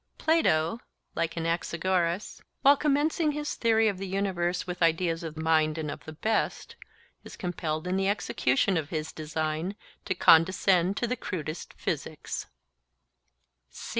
Plato, like Anaxagoras, while commencing his theory of the universe with ideas of mind and of the best, is compelled in the execution of his design to condescend to the crudest physics.